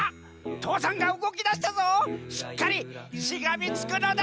父山がうごきだしたぞしっかりしがみつくのだ！